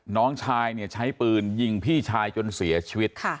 น้องชายเนี่ยใช้ปืนยิงพี่ชายจนเสียชีวิต